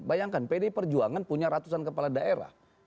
bayangkan pdi perjuangan punya ratusan kepala daerah